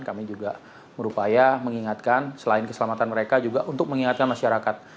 kami juga berupaya mengingatkan selain keselamatan mereka juga untuk mengingatkan masyarakat